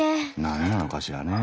何なのかしらね。